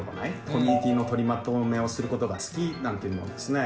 「コミュニティの取りまとめをすることが好き」なんていうのもですね